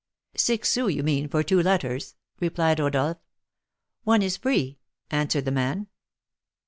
"Six sous, you mean, for two letters," replied Rodolph. "One is free," answered the man.